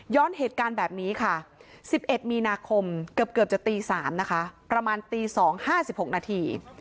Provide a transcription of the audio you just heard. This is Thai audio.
เหตุการณ์แบบนี้ค่ะ๑๑มีนาคมเกือบจะตี๓นะคะประมาณตี๒๕๖นาที